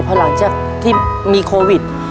พอหลังจากที่มีโควิด